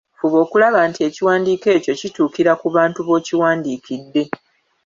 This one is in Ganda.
Fuba okulaba nti ekiwandiiko ekyo kituukira ku bantu b'okiwandiikidde.